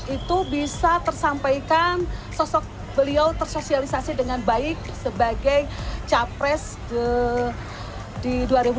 itu bisa tersampaikan sosok beliau tersosialisasi dengan baik sebagai capres di dua ribu dua puluh